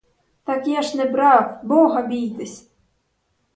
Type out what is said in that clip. Так я ж не брав, бога бійтесь!